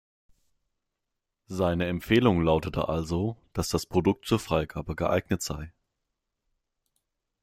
Seine Empfehlung lautete also, dass das Produkt zur Freigabe geeignet sei.